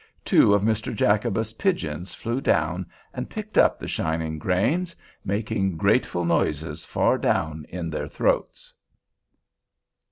Two of Mr. Jacobus's pigeons flew down and picked up the shining grains, making grateful noises far down in their throats.